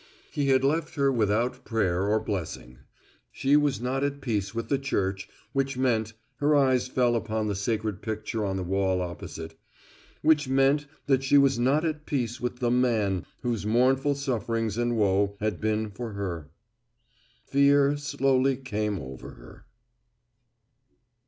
He had left her without prayer or blessing. She was not at peace with the Church which meant her eyes fell upon the sacred picture on the wall opposite which meant that she was not at peace with The Man whose mournful sufferings and woe had been for her. Fear slowly came over her.